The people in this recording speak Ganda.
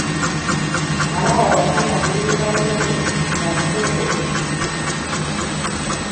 Malaaya yakanda kulinda mmere nga buteerere